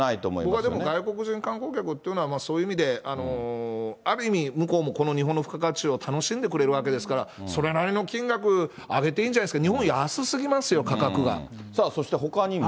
僕はでも外国人観光客というのは、そういう意味で、ある意味、向こうもこの日本の付加価値を楽しんでくれるわけですから、それなりの金額、上げていいんじゃないですか、日本安すぎますよ、そしてほかにも。